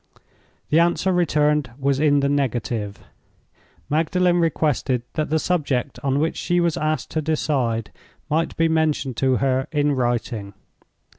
The answer returned was in the negative. Magdalen requested that the subject on which she was asked to decide might be mentioned to her in writing.